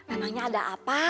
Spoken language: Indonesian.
emangnya ada apa